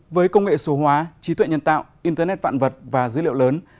với công nghệ số hóa trí tuệ nhân tạo internet vạn vật và dữ liệu lớn